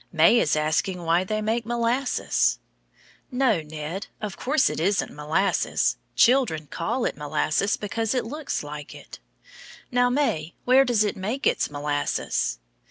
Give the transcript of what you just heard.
May is asking why they make molasses. No, Ned, of course it isn't molasses. Children call it molasses because it looks like it. Now, May, where does it make its molasses?